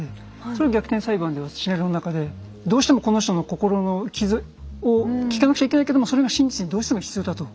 それを「逆転裁判」ではシナリオの中で「どうしてもこの人の心の傷を聞かなくちゃいけないけどもそれが真実にどうしても必要だ」と。